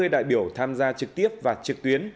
đại biểu tham gia trực tiếp và trực tuyến